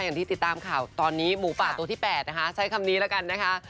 อย่างที่ติดตามข่าวตอนนี้หมูป่าตัวที่๘นะคะใช้คำนี้แล้วกันนะคะ